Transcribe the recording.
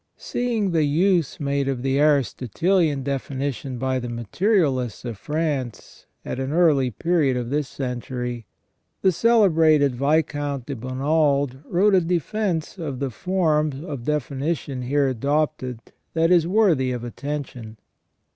* Seeing the use made of the Aristotehan definition by the ma teriahsts of France, at an early period of this centur}', the cele brated Viscount de Bonald wrote a defence of the form of definition here adopted that is worthy of attention.